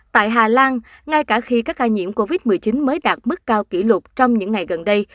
tại hà lan ngay cả khi các ca nhiễm covid một mươi chín mới đạt mức cao kỷ lục trong những ngày gần đây